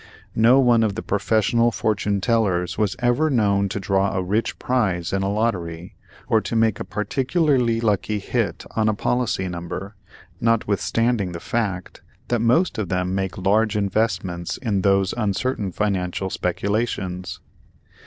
No one of the professional fortune tellers was ever known to draw a rich prize in a lottery, or to make a particularly lucky "hit" on a policy number, notwithstanding the fact that most of them make large investments in those uncertain financial speculations.